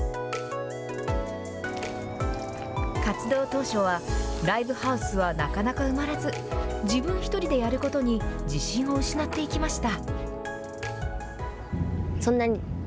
活動当初はライブハウスはなかなか埋まらず、自分１人でやることに自信を失っていきました。